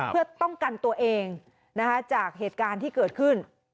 เพื่อป้องกันตัวเองจากเหตุการณ์ที่เกิดขึ้น